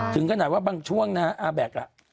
ถึงขนาดว่าบางช่วงนะอาแบ็ค